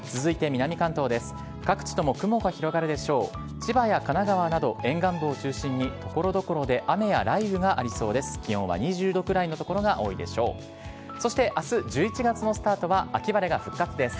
千葉や神奈川など、沿岸部を中心に、ところどころで雨や雷雨がありそうです。